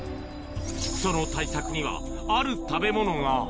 その対策には、ある食べ物が。